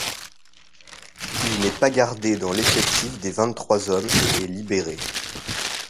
Il n'est pas gardé dans l'effectif des vingt-trois hommes et est libéré.